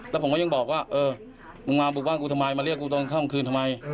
แล้วผมก็ยังบอกว่าเออมึงมาบุกบ้านกูทำไมมาเรียกกูตอนข้ามคืนทำไม